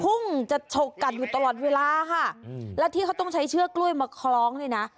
พุ่งจะฉกกัดอยู่ตลอดเวลาค่ะอืมแล้วที่เขาต้องใช้เชือกกล้วยมาคล้องเนี่ยนะ